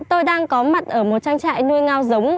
tôi đang có mặt ở một trang trại nuôi ngao giống